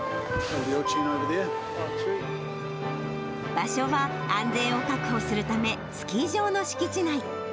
場所は、安全を確保するため、スキー場の敷地内。